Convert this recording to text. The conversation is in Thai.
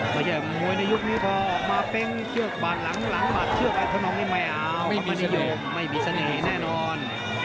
ไม่มีเสน่ห์ไม่มีเสน่ห์แน่นอน